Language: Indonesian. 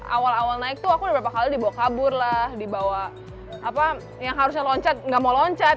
awal awal naik tuh aku beberapa kali dibawa kabur lah dibawa apa yang harusnya loncat nggak mau loncat